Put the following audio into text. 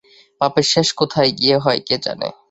পাপের শেষ কোথায় গিয়া হয় কে জানে।